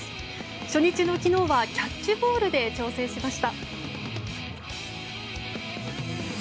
初日の昨日はキャッチボールで調整しました。